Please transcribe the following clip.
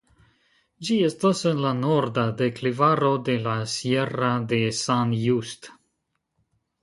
Ĝi estas en la norda deklivaro de la Sierra de San Just.